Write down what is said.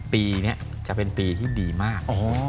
ปีนี้จะเป็นปีที่ดีมาก